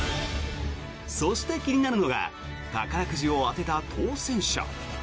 そして気になるのが宝くじを当てた当選者。